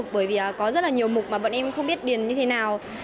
bởi vì có rất là nhiều mục mà bọn em không biết điền như thế nào